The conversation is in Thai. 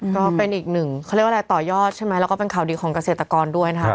ก็เป็นอีกหนึ่งเขาเรียกว่าอะไรต่อยอดใช่ไหมแล้วก็เป็นข่าวดีของเกษตรกรด้วยนะครับ